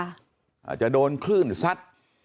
อาจจะโดนคลื่นซัด